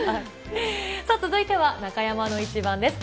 さあ、続いては中山のイチバンです。